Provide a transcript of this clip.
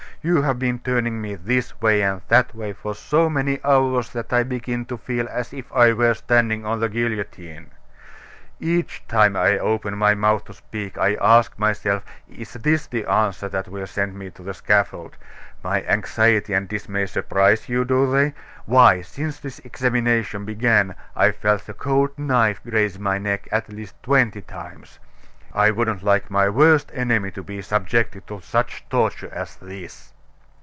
You have been turning me this way and that way for so many hours that I begin to feel as if I were standing on the guillotine. Each time I open my mouth to speak I ask myself, is it this answer that will send me to the scaffold? My anxiety and dismay surprise you, do they? Why, since this examination began, I've felt the cold knife graze my neck at least twenty times. I wouldn't like my worst enemy to be subjected to such torture as this."